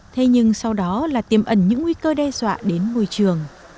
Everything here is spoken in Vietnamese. thế nhưng sau đó là tiềm ẩn những nguy cơ đe dọa đến môi trường